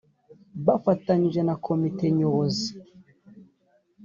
bafatanyije na komite nyobozi